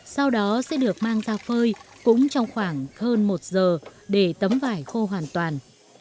sau đó sẽ được mang ra phơi cũng trong khoảng hơn một giờ để tấm vải khô hoàn toàn